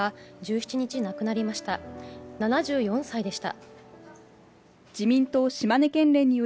７４歳でした。